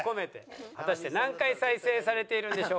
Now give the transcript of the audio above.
果たして何回再生されているんでしょうか。